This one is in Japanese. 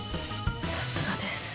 さすがです。